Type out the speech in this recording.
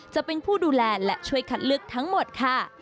จะเป็นผู้ดูแลและช่วยคัดเลือกทั้งหมดค่ะ